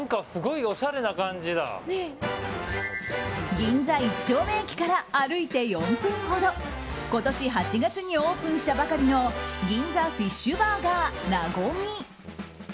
銀座一丁目駅から歩いて４分ほど今年８月にオープンしたばかりの銀座フィッシュバーガーＮａｇｏｍｉ。